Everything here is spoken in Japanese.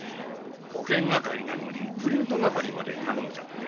保健係なのにプリント係まで頼んじゃって。